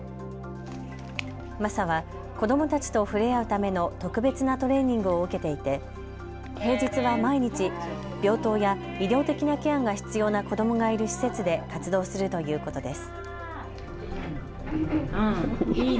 マサは子どもたちと触れ合うための特別なトレーニングを受けていて平日は毎日、病棟や医療的なケアが必要な子どもがいる施設で活動するということです。